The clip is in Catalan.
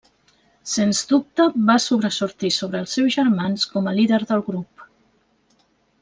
Sens dubte, va sobresortir sobre els seus germans com a líder del grup.